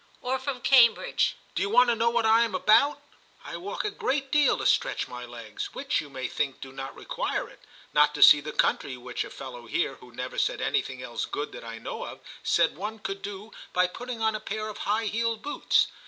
Or from Cambridge :* Do you want to know what I am about } I walk a great deal — to stretch my legs, w^hich you may think do not require it — not to see the country, which a fellow here, who never said anything else good that I know of, said one could do by putting on a pair of high heeled boots.